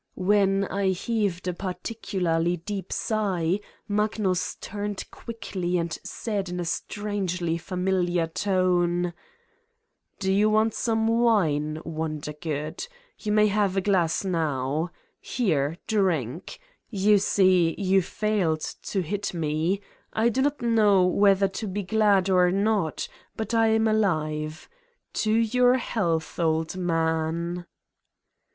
When I heaved a particularly deep sigh, Mag nus turned quickly and said in a strangely famil iar tone : "Do you want some wine, Wondergood? You may have a glass now. Here, drink. ... You see you failed to hit me. I do not know whether to be glad or not, but I am alive. To your health, old man!"